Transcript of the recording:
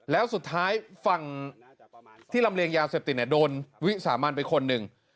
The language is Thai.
แล้วสุดท้ายฝั่งที่ลำเลียงยาเสพติดโดนวิสามันไปคนหนึ่ง